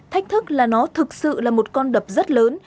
thách thức là nó thực sự là một con đập rất lớn